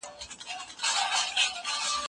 هغه د خلکو ترمنځ ګرځېده.